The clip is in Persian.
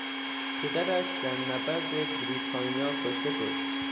پدرش در نبرد بریتانیا کشته شد.